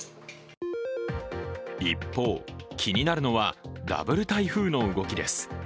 一方、気になるのはダブル台風の動きです。